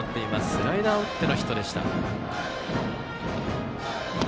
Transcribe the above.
スライダーを打ってのヒットでした。